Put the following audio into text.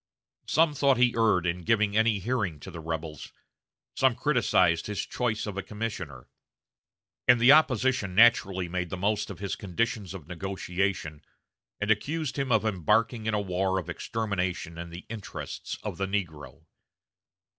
Some thought he erred in giving any hearing to the rebels; some criticized his choice of a commissioner; and the opposition naturally made the most of his conditions of negotiation, and accused him of embarking in a war of extermination in the interests of the negro.